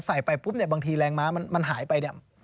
ไปปุ๊บเนี่ยบางทีแรงม้ามันหายไปเนี่ย